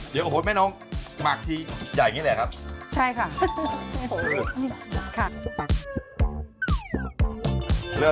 เดี๋ยวโอ้โหแม่นงฉันเป็นหมากที่ใหญ่แบบนี้แหละครับ